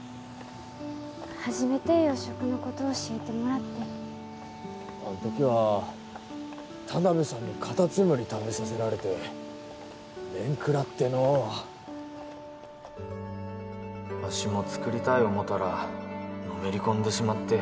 初めて洋食のこと教えてもらってあんときは田辺さんにカタツムリ食べさせられて面食らってのうわしも作りたい思うたらのめり込んでしまって